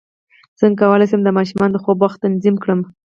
څنګه کولی شم د ماشومانو د خوب وخت تنظیم کړم